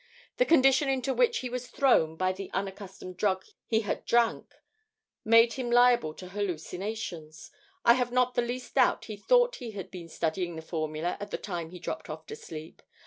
The condition into which he was thrown by the unaccustomed drug he had drank, made him liable to hallucinations. I have not the least doubt he thought he had been studying the formula at the time he dropped off to sleep.